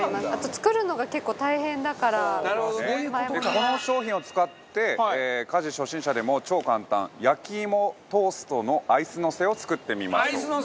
この商品を使って家事初心者でも超簡単焼き芋トーストのアイスのせを作ってみましょう。